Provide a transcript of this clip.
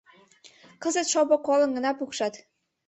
— Кызыт шопо колым гына пукшат.